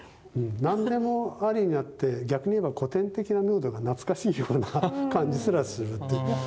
何でもありになって逆に言えば古典的なムードが懐かしいような感じすらするって。